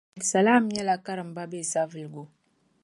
Mohammed salam nyela karimba be Savelugu